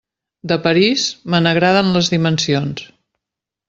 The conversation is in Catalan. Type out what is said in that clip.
De París, me n'agraden les dimensions.